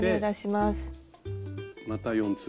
また４粒。